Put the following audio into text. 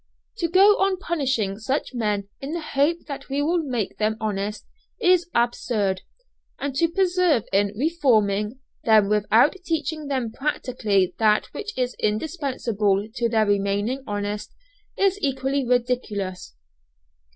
To go on punishing such men in the hope that we will make them honest, is absurd; and to persevere in "reforming," them without teaching them practically that which is indispensable to their remaining honest, is equally ridiculous.